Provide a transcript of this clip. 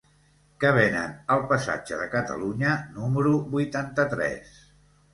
Què venen al passatge de Catalunya número vuitanta-tres?